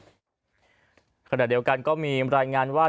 เนื่องจากว่าอยู่ระหว่างการรวมพญาหลักฐานนั่นเองครับ